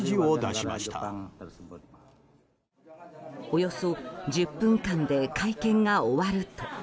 およそ１０分間で会見が終わると。